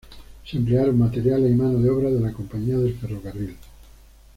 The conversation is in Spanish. Se emplearon materiales y mano de obra de la Compañía del Ferrocarril.